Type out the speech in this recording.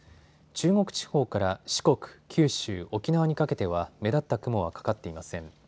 中国地方から四国、九州、沖縄にかけては目立った雲はかかっていません。